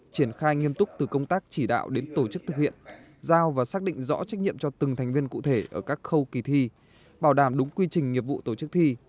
triển khai nghiêm túc từ công tác chỉ đạo đến tổ chức thực hiện giao và xác định rõ trách nhiệm cho từng thành viên cụ thể ở các khâu kỳ thi bảo đảm đúng quy trình nghiệp vụ tổ chức thi